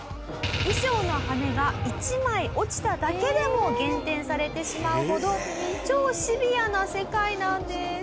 衣装の羽根が１枚落ちただけでも減点されてしまうほど超シビアな世界なんです。